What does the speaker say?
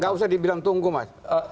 gak usah dibilang tunggu mas